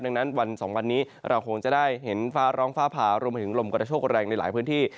ดังนั้นวัน๒วันนี้เราคงจะได้เห็นฟ้าร้องฟ้าผ่ารวมไปถึงลมกระโชคแรงในหลายพื้นที่